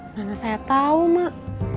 mana saya tahu mak